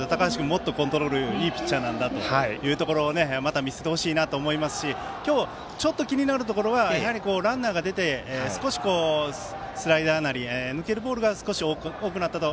もっとコントロールがいいピッチャーだというのでまた見せてほしいなと思いますし今日ちょっと気になるところはランナーが出て少しスライダーなり、抜けるボールが少し多くなったと。